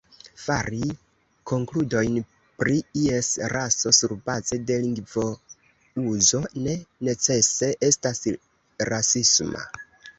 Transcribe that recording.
Fari konkludojn pri ies raso surbaze de lingvouzo ne necese estas rasisma.